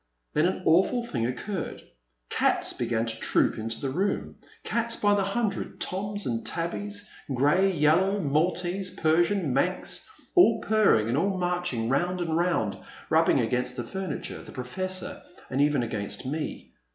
Then an awful thing occurred. Cats began to troop into the room, cats by the hundred, toms and tabbys, grey, yel low, Maltese, Persian, Manx, all purring and all marching round and round, rubbing against the furniture, the Professor, and even against me.